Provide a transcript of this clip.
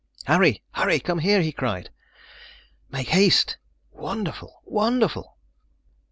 "Harry! Harry! come here!" he cried; "make haste wonderful wonderful!"